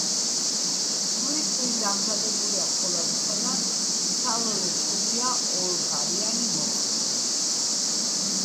ხმლის პირი დამზადებულია ფოლადისაგან, ცალლესულია, ორღარიანი, მოხრილი.